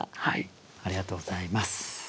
ありがとうございます。